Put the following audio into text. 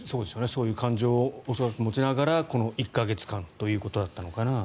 そういう感情を恐らく持ちながらこの１か月間ということだったのかなと。